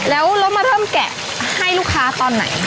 แล้วเรามาเริ่มแกะให้ลูกค้าตอนไหน